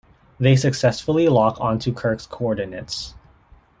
They successfully lock onto Kirk's coordinates.